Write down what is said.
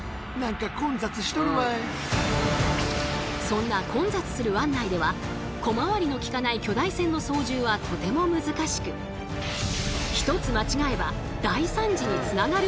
そんな混雑する湾内では小回りのきかない巨大船の操縦はとても難しく一つ間違えば大惨事につながるおそれも。